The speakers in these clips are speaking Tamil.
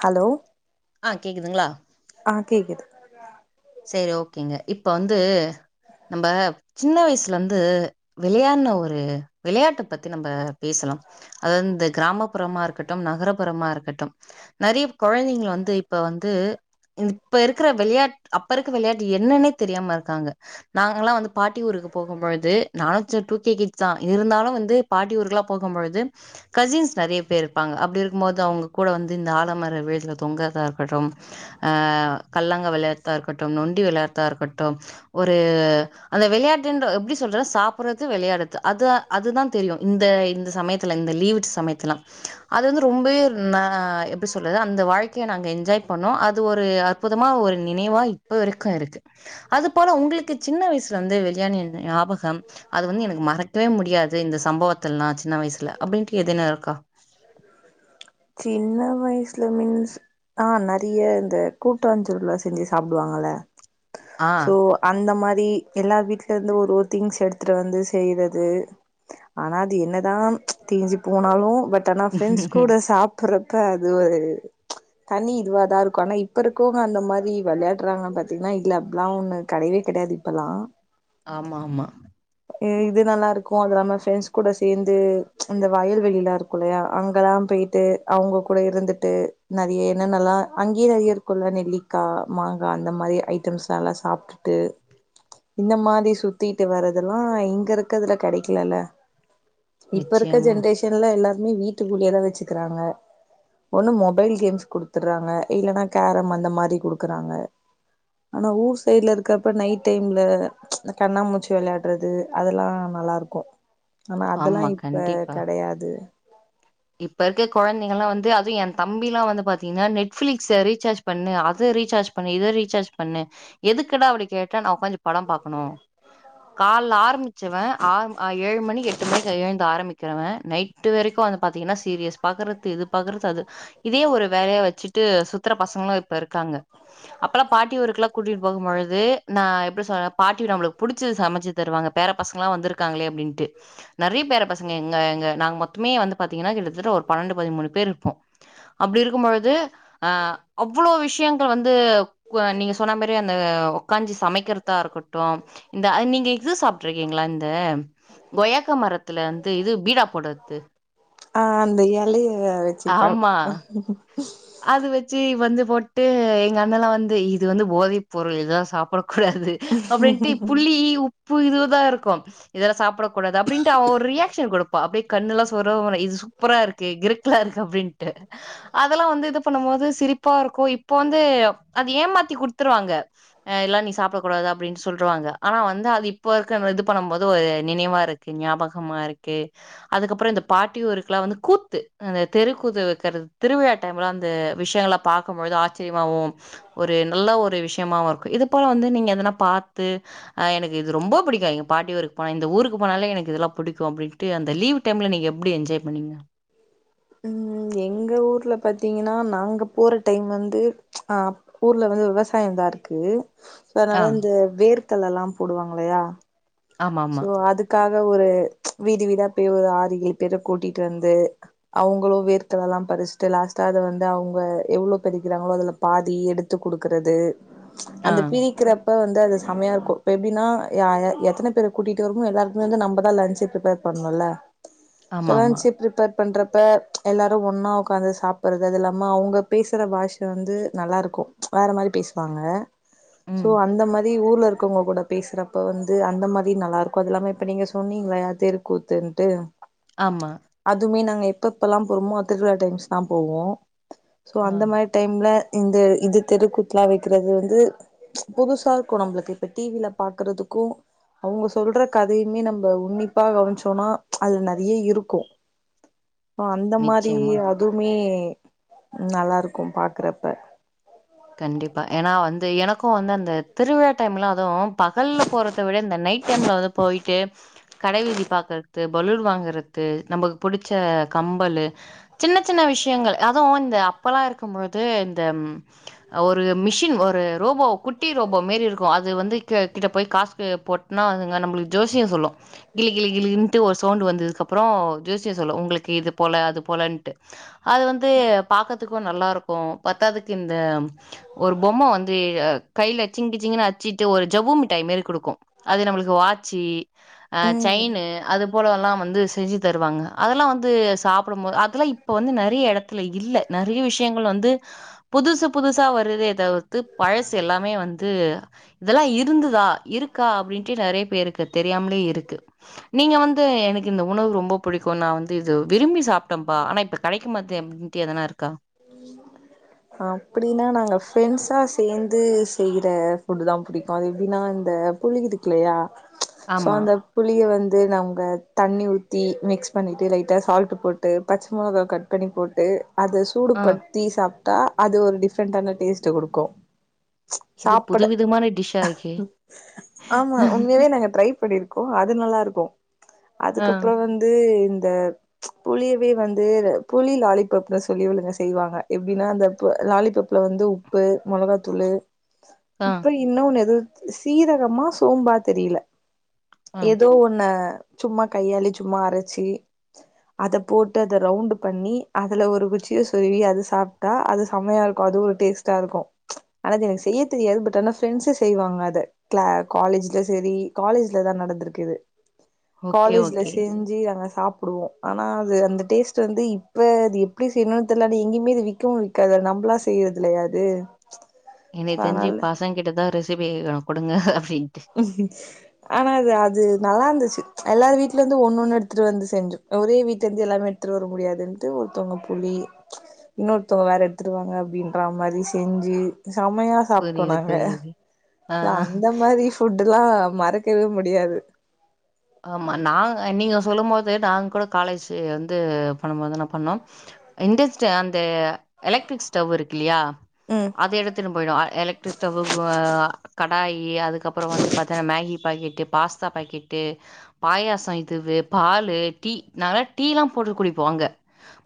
ஹலோ ஆ கேக்குதுங்களா ஆ கேக்குது செரி ஓகேங்க இப்ப வந்து நம்ம சின்ன வயசுல வந்து விளையாட்ண்ன ஒரு விளையாட்ட பத்தி நம்ப பேசுலா அது இந்த கிராமப்புறமா இருக்கட்டு நகரபுறமா இருக்கட்டு நெறையப் கொழந்தைங்க வந்து இப்ப வந்து இப்ப இருக்குற விளையாட் அப்பருக்க வெளையாட்டு என்னன்னே தெரியாம இருக்காங்க நாங்கெல்லா வந்து பாட்டி ஊருக்கு போகுபொழுது நானு டூக்கே கிட்ஸ் தா இருந்தாலு வந்து பாட்டி ஊர்க்குளா போகுபொழுது கசின்ஸ்ஸு நெறைய பேர் இருப்பாங்க அப்டி இருக்கபோது அவுங்க கூட வந்து இந்த ஆலமர விழுதுல தொங்கறதா இருக்கட்டு ஆ கல்லாங்க வெளையாட்டுத்தா இருக்கட்டு நொண்டி வெளையாட்டுத்தா இருக்கட்டு ஒரு அந்த வெளையாட்டுன்ற எப்டி சொல்ற சாப்டுறது வெளையாடுறது அது அதுதா தெரியு இந்த இந்த சமயத் துல இந்த லீவுட் சமயத்துல்லா அது வந்து ரொம்பவே ஒரு நா எப்டி சொல்றது அந்த வாழ்க்கைய நாங்க என்ஜாய் பண்ணோ அது ஒரு அற் புதமா ஒரு நினைவா இப்ப வரைக்கு இருக்கு அது போல உங்களுக்கு சின்ன வயசுல வந்து வெளையாடின்ன ஞாபகோ அது வந்து எனக்கு மறைக்கவே முடியாது இந்த சம்பவத்துயெல்லா சின்ன வயசுல அப்டின்ட்டு எதுன இருக்கா சின்ன வயசுல மீன்ஸ் ஆ நெறைய இந்த கூட்டாஞ்சொருல்லா செஞ்சு சாப்டுவாங்கல ஆ சோ அந்த மாரி எல்லார்வீட்ல இருந்து ஒரு ஒரு திங்ஸ் எடுத்துட்டு வந்து செய்றது ஆனா அது என்னதா தேஞ்சு போனாலு பட் ஆனா ஃப்ரெண்ட்ஸ் கூட சாப் றப்பா அது ஒரு தனி இதுவா தா இருக்கு ஆனா இப்போருக்கவங்க அந்த மாரி வெளையாடுறாங்கன்னு பாத்தீங்கன்னா இல்ல அப்பெல்லா ஒண்ணு கெடையவே கெடையாது இப்பெல்லா ஆமா ஆமா இது நல்லாருக்கு அது நம்ம ஃப்ரெண்ட்ஸ் கூட சேந்து அந்த வயல்வெளியிலா இருக்குலயா அங்கெல்லா பேட்டு அவுங்க கூட இருந்துட்டு நெறைய என்னென்னலா அங்கையே இருக்குல்ல நெல்லிக்கா மாங்கா அந்த மாதிரி ஐட்டம்ஸ் நல்லா சாப்ட்டுட்டு இந்த மாதிரி சுத்திட்டு வர்தெல்லா இங்க இருக்கதுல கெடைக்கலல்ல இப்ப இருக்க நிச்சயமா. ஜென்ரேஷன்ல எல்லாருமே வீட்டுக்குள்ளயேதா வச்சுக்குறாங்க ஒண்ணு மொபைல் கேம்ஸ் குடுத்துறாங்க இல்லைன்னா கேரம் அந்த மாரி குடுக்குறாங்க ஆனா ஊர் சைடுல இருக்கப்ப நைட் டைம்ல இந்த கண்ணாமூச்சு வெள்ளாட்றது அதெல்லா நல்லாருக் கு ஆமா அதெல்லா இப்ப கெடையாது இப்ப இருக்க ககொழந்தைங்கெல்லா வந்து அது என் தம்பிலா வந்து பாத்தீங்கன்னா நெட் ஃபிளிக்ஸ்ஸ ரீசார்ஜ் பண்ணு அத ரீசார்ஜ் பண்ணு இத ரீசார்ஜ் பண்ணு எதுக்குடா அப்படி கேட்ட நா உக்காஞ்சி பட பாக்கணு கால்ல ஆரம்பிச்சவ ஆ ஏழு மணி எட்டு மணிக்கு எழுந்து ஆரம்பிக்கிறவ நைட்டு வரைக்கு அந்த பாத்தீங்கன்ன சீரிஸ் பாக்கறது இது பாக்கறது அது இதே ஒரு வேலையா வச்சுட்டு சுத்துர பசங்களு இப்ப இருக்காங்க அப்பெல்லா பாட்டி ஊருக்கெல்லா கூட்டிட்டு போகும்பொழுது நா எப்டி சொல்றே பாட்டி நம்மளுக்கு புடிச்சது சமைச்சு தருவாங்க பேர பசங்களா வந்திருக்காங்களே அப்டின்ட்டு நெறைய பேர பசங்க எங்க நாங்க மொத்தமே வந்து பாத்தீங்கன்னா கிட்டத்தட்ட ஒரு பன்னெண்டு பதிமூணு பேர் இருப்போ அப்டி இருக்கும் பொழுது அ அவ்ளோ விஷயங்கள் வந்து நீங்க சொன்ன மாரி அந்த உக்காஞ்சு சமைக்கிறதா இருக்கட்டு இந்த அது நீங்க இது சாப்ட்ருக்கீங்களா இந்த கொய்யாக்க மரத் த்துல வந்து இது பீடா போடறது ஆ அந்த எலைய வச்சுப்பா ஆமா அது வச்சு வந்து போட்டு எங்க அண்ணெல்லா வந்து இது வந்து போதை பொருள் இதெல்லா சாப்பட கூடாது அப்டின்ட்டு புளி உப்பு இதுதா இருக்கு இதெல்லா சாப்படக் கூடாது அப்டின்ட்டு அவ ஒரு ரியாக்ஷன் குடுப்பா அப்படியே கண்ணெல்லா சொறுவனு இது சூப்பரா இருக்கு கிருக்கலாருக்கு அப்டின்ட்டு அதெல்லா வந்து இது பண்ணும் போது சிரிப்பா இருக்கு இப்போ வந்து அது ஏமாத்தி குடுத்துருவாங்க ஆ எல்லா நீ சாப்படக் கூடாது அப்டின் சொல்ருவாங்க ஆனா வந்து அது இப் இப்போ இருக்க இது பண்ணும் போது ஒரு நினைவா இருக்கு ஞாபகமா இருக்கு அதுக்கப்புற இந்த பாட்டியூருக்கெல்லா வந்து கூத்து அந்த தெருக்கூத்து வைக்கிறது திருவிழா அ விஷயங்கள பாக்கும்பொழுது ஆச்சரியமாவு ஒரு நல்ல ஒரு விஷய மாவு இருக்கு இது போல வந்து நீங்க எதனா பாத்து ஆ எனக்கு இது ரொம்ப புடிக்கு பாட்டி ஊருக்கு போனா இந்த ஊருக்கு போனாலே எனக்கு இதெல்லா புடிக்கு அப்படின்னு அந்த லீவ்டைம்ல நீங்க எப்டி என்ஜாய் பண்ணீங்க ம் எங்க ஊர்ல பாத்தீங்கன்னா நாங்க போற டைம் வந்து ஆ ஊர்ல வந்து விவசாயந்தா இருக்கு சோ ஆ அதனால இந்த வேர்க்கல்லலா போடுவாங்கயில்லையா ஆமாமா சோ அதுக் க்காக ஒரு வீடு வீடா போய் ஒரு ஆறு ஏழு பேர கூட்டிட்டு வந்து அவங்களு வேர்கல்ல எல்லா பறிச்சுட்டு லாஸ்ட்டா அத வந்து அவங்க எவ்ளோ பறிக்கிறாங்களோ அதுல பாதி எடுத்து குடுக்கறது ஆ அந்த பிரிக்கிற வந்து அது செமையா இருக்கு இப்ப எப்டினா யா எத்தன பேர் கூட்டிட்டு வரமோ எல்லாருக்குமே வந்து நம்ம தா லன்ச் ப்ரிப்பேர் பண்ணுல சோ ஆமாமா லன்ச் ப்ரிப்பேர் பண்ணறப்ப எல்லாரு ஒன்னா உக்காந்து சாப்பிட்றது அது இல்லாம அவங்க பேசுற பாஷ வந்து நல்லாருக்கு வேற மாரி பேசுவாங்க சோ ம் அந்த மாறி ஊர்ல இருக்கவங்க கூட பேசுறப்ப வந்து அந்த மாறி நல்லா இருக்கு அது இல்லாம இப்ப நீங்க சொன்னீங்கள தெருக்கூத் தின்ட்டு ஆமா எதுவுமே நாங்க எப்ப எப்பெல்லா போறமோ திருவிழா டைம்ஸ் தா போவோ சோ ஆ அந்த மாதி டைம்ல இந்த இது தெருக்கூத்துலா வைக்கிறது வந்து புதுசா இருக்கு நம்ளுக்கு இப்ப டி வில பாக்கறதுக்கு அவங்க சொல்ற கதையுமே நம்ம உன்னிப்பா கவன்ச்சோனா அதுல நெறைய இருக்கு சோ அந்த மாரி நிச்சயமா அதுவுமே நல்லாருக்கு பாக்கறப்ப கண்டிப்பா ஏனா வந்து எனக்கு வந்து அந்த திருவிழா டைம்லா அது பகல்ல போறத விட இந்த நைட் டைம்ல வந்து போயிட்டு கடை வீதி பாக்குறது பலூர் வாங்கறது நமக்கு புடிச்ச கம்பல்லு சின்ன சின்ன விஷ்யங்கள் அதுவு இந்த அப்பெல்லா இருக்கம்பொழுது இந்த ஒரு மிஷின் ஒரு ரோபோ குட்டி ரோபோ மேரி இருக்கு அது வந்து கி கிட்ட போய் காசுக்கு போ முன்னா வந்துங்க நம்ளுக்கு ஜோசியோ சொல்லு கிளி கிளி கிளிங்ன்ட்டு ஒரு சவுண்ட்டு வந்ததுக்கப்றோ ஜோசியோ சொல்லு ஒங்ளு க்கு இது போல அது போலன்ட்டு அது வந்து பாக்கறதுக்கு நல்லாருக்கு பத்தாதுக்கு இந்த ஒரு பொம்ம வந்து கைல சிங்குச்சிங்குன்னு அட்ச்சிட்டு ஒரு ஜவ்வு மிட்டாய் மாரி குடு க்கு அது நம்ளுக்கு வாட்சு ம் செயினு ஆ அது போலல்லா வ ந்து செஞ்சு தருவாங்க அதெல்லா வந்து சாப்டும்போது அதெல்லா இப்ப வந்து நறைய எடத்துல இல்ல நறய விஷ்யங்கள் வந்து புதுசு புதுசா வருது‌ தவி ர்த்து பழசு எல்லாமே வந்து இதெல்லா இருந்துதா இருக்கா அப்டின்ட்டு நறைய பேர்க்கு தே தெரியாம்லே இருக்கு நீங்க வந்து எனக்கு இந்த உணவு ரொம்ப புடிக்கு நா வந்து இது விரும்பி சாப்ட்டேபா ஆனா இப்ப [unintelligible] அப்டின்ட்டு எதனாருக்கா அப்டின்னா நாங்க ஃப்ரெண்ட்ஸா சேந்து செய்ற ஃபுட்டு தா புடிக்கு அது எப்டின்னா இந்த புளி இதுக்குல்லயா ஸோ ஆமா. அந்த புளிய வந்து நம்ங்க தண்ணி ஊத்தி மிக்ஸ் பண்ணிட்டு லைட்டா சால்ட்டு போட்டு பச்மொளகா கட் பண்ணி போட்டு அத சூடு ஆ படுத்தி சாப்ட்டா அது ஒரு டிஃப்ரெண்ட்டான டேஸ்ட்டு குடுக்கு இது சாப்புட புதுவிதமான டிஷ்ஷா இருக்கே. ஆமா உண்மயாவே நாங்க ட்ரை பண்ணிரு கோ அது நல்லாருக்கு ஆ, அதுக்கப்றோ வந் வந்து இந்த புளியவே வந்து புளி லாலிபப்னு சொல்லி இவளுங்க செய்வாங்க எப்டின்னா அந்த பு லாலிப்பப்ல வந்து உப்பு மொளகாத்தூளு [inaudible] அப்ப இன்னொன்னு எது சீரகமா சோம்பா தெரில ஆ. ஏதோ ஒன்ன சும்மா கையாலே சும்மா அரச்சு அத போட்டு அத ரவுண்ட்டு பண்ணி அதுல ஒரு குச்சிய சொருவி அது சாப்ட்டா அது செம்மயாருக்கு அது ஒரு டேஸ்ட்டாருக்கு அதாவ்து எனக்கு செய்ய தெரியாது பட் ஆனா ஃப்ரெண்ட்ஸ்ஸு செய்வாங்க அத க்ள காலேஜ்ல சேரி காலேஜ்ல தா நடந்திருக்கு இது ஓகே, காலேஜ்ல ஓகே. செஞ்சி நாங்க சாப்டுவோ ஆனா அது அந்த டேஸ்ட் வந்து இ ப்ப அது எப்டி செய்ணுன் தெரில ஆனா எங்கயிமே அது விக்கவு விக்காது அது நம்ளா செய்றதில்லயா இது எனக்கு தெரிஞ்சு பசங்க கிட்ட தா ரெசிபி கேக்கணு குடுங்க அப்டின்ட்டு அஹ்ன்ச்ச் ஆனா அது அது நல்லாருந்துச்சு எல்லாரு வீட்லந்து ஒண்ணு ஒண்ணு எடுத்துட்டு வந்து செஞ்சோ ஒரே வீட்லந்து எல்லாமே எட்த்துட் வர முடியாதுன்ட்டு ஒருத்தோங்க புளி இன்னொருத்தோங்க வேற எட்த்துட்வாங்க அப்டின்ற மாரி செஞ்சு செம்மயா புரிது புரிது அந்த மாரி ஃபுட்டுல்லா மறக்கவே முடியாது ஆமா நாங்க நீங்க சொல்லும் போது நாங்க கூட காலேஜு வந்து பண்ணம்போது தான பண்ணோ இன்டஸ்ட்டு அந்த எலக்ட்ரிக் ஸ்டவ் இருக்குல்லயா ம் அது எடுத்துனு போயிடுவோ எலக்ட்ரிக் ஸ்டவ்வு வா கடாயி அதுக்கப்றோ வந்து பாத்தனா மேகி பாக்கெட்டு பாஸ்தா பாக்கெட்டு பாயாசோ இதுவு பாலு டீ நாங்க டீலா போட்டு குடிப்போ அங்க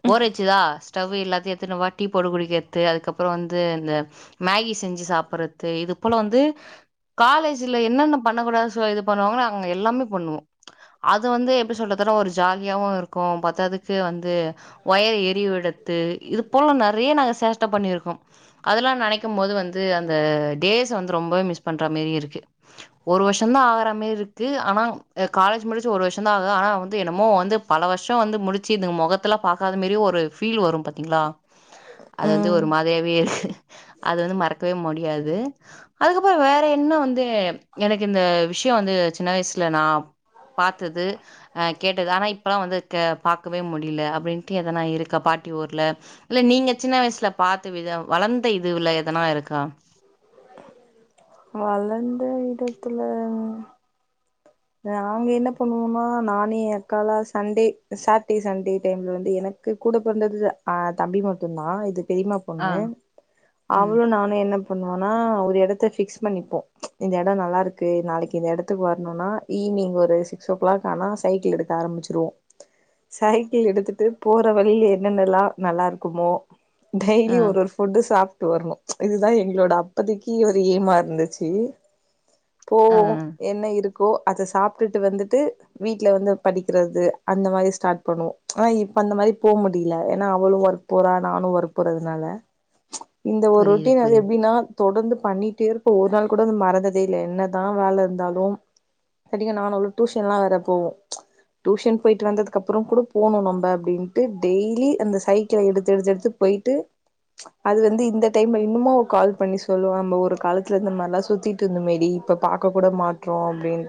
போர்ரச்சுதா ஸ்டவ் எல்லாத்தையு எட்த்துனு வா டீ போட்டு குடிக்கறது அதுக்கப்றோ வந்து இந்த மேகி செஞ்சு சாப்பறது இது போல வந்து காலேஜ்ல என்னென்ன பண்ணக்கூடாது சொ இது பண்ணுவாங்ளோ நாங்க எல்லாமே பண்ணுவோ அது வந்து எப்டி சொல்றதுனா ஒரு ஜாலியாவு இருக்கு பத்தாதுக்கு வந்து ஒயர் எரிவு எடுத்து இது போல நறைய நாங்க சேட்ட பண்ணிருக்கோ அதெல்லா நனைக்கு போது வந் து அந்த டேஸ வந்து ரொம்பவே மிஸ் பண்ற மாரியே இருக்கு ஒரு வருஷந் தா ஆகுற மாரி க்கு ஆனா அ காலேஜ் முடிச்சு ஒரு வருஷோந்தா ஆகு ஆனா வந்து என்னமோ வந்து பல வருஷோ வந்து முடிச்சு இதுங்க முகத்ததலா பாக்காத மாரியு ஒரு ஃபீல் வரு‌ பாத்தீங்ளா அது வந்து ம் ஒரு மாதியாவே அது வந்து மறக்கவே முடியாது அதுக்கப் ப்ப வேற என்ன வந்து எனக்கு இந்த விஷயோ வந்து சின்ன வயசுல நா பாத்தது அ கேட்டது ஆனா இப்பல்லா வந்து பாக்கவே முடில அப்டின்னு ட்டி எதனா இருக்கா பாட்டி ஊர்ல இல்ல நீங்க சின்ன வயசுல பாத்த விதோ வளந்த இதுவில எதனா இருக்கா வளந்த இடத்துல நாங்க என்ன பண்ணுவோனா நானு எ அக்காலா சண்டே சட்டடே சண்டே டைம்ல வந்து எனக் கு கூட பிறந்தது அ தம்பி மட்டு தா இது பெரிமா ஆ பொண்ணு ஆ அவளு நானு என்ன பண்ணுவோனா ஒரு எடத்த ஃபிக்ஸ் பண்ணிப்போ இந்த எடோ நல்லாருக்கு நாளைக்கு இந்த இடத்துக்கு வரணுன்னா ஈவ்னிங் ஒரு சிக்ஸ் ஓ க்ளாக் ஆனா சைக்கிள் எடுக்க ஆரம்பிச்சிடுவோ சைக்கிள் எடுத்துட்டு போற வழில என்னென்னல்லா நல்லா இருக்குமோ ஆ டெய்லி ஒரு ஃபுட்டு் சாப்ட்டு வருவோ இதுதா எங்களோட அப்பதிக்கு ஒரு ஏமா இருந்துச்சு ஆ போவோ என்ன இருக்கோ அத சாப்ட்டுட்டு வந்துட்டு வீட்ல வந்து படிக்கிறது அந்த மாதி ஸ்டாட் பண்ணுவோ ஆனா இப்ப அந்த மாரி போ முடில ஏனா அவளு ஒர்க் போறா நானு ஒர்க் போறதுனால இந்த ஒரு புரியுது ரொட்டின் அது புரியுது எப்டின்னா தொடந்து பண்ணிட்டே இருப்போ ஒரு நாள் கூட அத மறந்ததே இல்ல என்னதா வேல இருந்தாலு எப்டியு நானு அவளு டியூஷன்ல்லா வேற போவோ டியூஷன் போய்ட்டு வந்ததுக்கப்றோ கூட போணு நம்ப அப்டின்ட்டு டெய்லி அந்த சைக்கிள எடுத்து எடுத்து எடுத்து போய்ட்டு அது வந்து இந்த டைம்ல இன்னுமோ அவ கால் பண்ணி சொல்லுவா நம்ம ஒரு காலத்துல இந்த மாரிலா சுத்திட் டு இந்தமாறி இப்ப பாக்க கூட மாட்றோ அப்டின்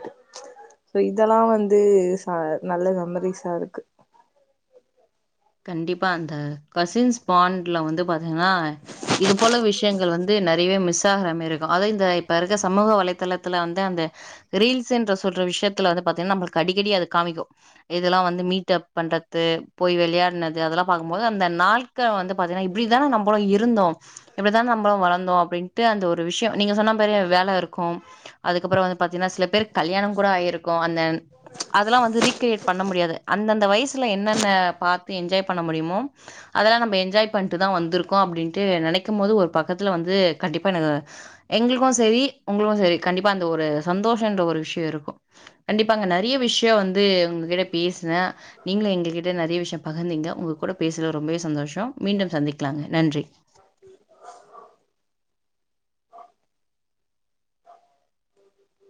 சோ இதெல்லா வந்து ச நல்ல மெமரிஸா இருக்கு கண்டிப்பா அந்த கசின்ஸ் பாண்ட்ல வந்து பாத்தீங்கன்னா இது போல விஷயங்கள் வந்து நிறையவே மிஸ் ஆகுற மாரிக்கு அது இந்த இப்ப இருக்க சமூக வலைதளத்துல வந்து அந்த ரீல்ஸ்சுன்ற சொல்ற விஷயத்துல வந்து பாத்தீங்கன்னா நம்மளுக்கு அடிக்கடி அது காமிக்கு இதெல்லா வந்து மீட் அப் பண்றது போய் விளையாடினது அதெல்லா பாக்கும்போது அந்த நாள் க்கா வந்து பாத்தீங்கன்னா இப்டிதா நம்பளு இருந்தோ இப்டித்தா நம்ப வளந்தோ அப்டின்ட்டு அந்த ஒரு விஷயோ நீங்க சொன்ன மாரி வேல இருக்கு அதுக்கப்புறோ வந்து பாத்தீங்கன்னா சில பேருக்கு கல்யாணோ கூட ஆயிருக்கு அந்த அதெல்லா வந்து ரீக்ரியேட் பண்ண முடியாது அந்தந்த வயசுல என்னென்ன பாத் து எஞ்ஜாய் பண்ண முடியுமோ அதெல்லா நம்ம எஞ்ஜாய் பண்ட்டு தா வந்துருக்கோ அப்டின்ட்டு நினைக்கும் போது ஒரு பக்கத்துல வந்து கண்டிப்பா ந எங்களுக்கு சரி உங்களுக்கு சரி கண்டிப்பா அந்த ஒரு சந்தோஷோன்ற ஒரு விஷயோ இருக்கு கண்டிப்பா அங்க நறைய விஷயோ வந்து உங்ககிட்ட பேசின நீங்களு எங்ககிட்ட நிறைய பகுந்தீங்க உங்க கூட பேசல ரொம்பவே சந்தோஷோ மீண்டும் சந்திக்கலாங்க நன்றி உ